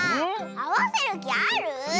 あわせるきある？